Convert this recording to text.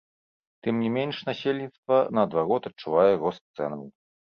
Тым не менш, насельніцтва, наадварот, адчувае рост цэнаў.